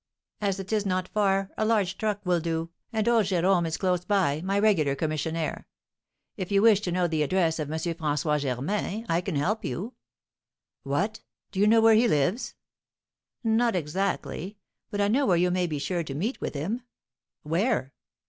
"As it is not far, a large truck will do, and old Jérome is close by, my regular commissionaire. If you wish to know the address of M. François Germain, I can help you." "What? Do you know where he lives?" "Not exactly, but I know where you may be sure to meet with him." "Where?"